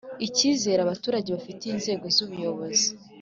Icyizere abaturage bafitiye inzego z ubuyobozi